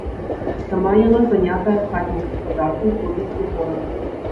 Сама яна занятая хатняй гаспадаркай, ходзіць у горад.